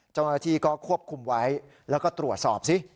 เจ้าหน้าที่ก็ควบคุมไว้แล้วก็ตรวจสอบสิ